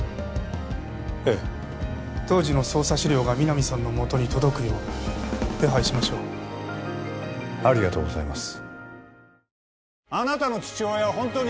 ええ当時の捜査資料が皆実さんのもとに届くよう手配しましょうありがとうございます